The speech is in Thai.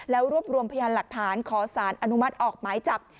แล้วรวบรวมพยานหลักฐานขอสารอนุมัติออกหมายจับ